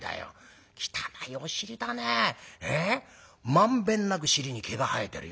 満遍なく尻に毛が生えてるよ。